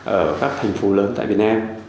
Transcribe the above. ở các thành phố lớn tại việt nam